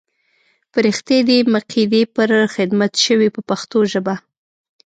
فرښتې دې مقیدې پر خدمت شوې په پښتو ژبه.